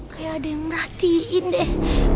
kayak ada yang merhatiin deh